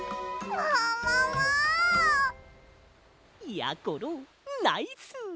やころナイス！